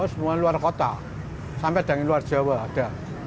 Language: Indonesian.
oh semua luar kota sampai dengan luar jawa ada